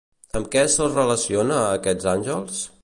Amb què se'ls relaciona a aquests àngels?